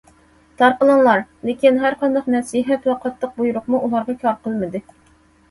تارقىلىڭلار! لېكىن، ھەر قانداق نەسىھەت ۋە قاتتىق بۇيرۇقمۇ ئۇلارغا كار قىلمىدى.